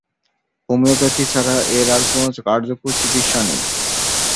Homeopathy ছাড়া এর আর কোন কার্যকর চিকিৎসা নেই।